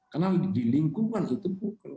karena di lingkungan itu